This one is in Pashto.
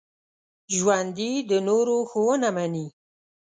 ژوندي د نورو ښوونه مني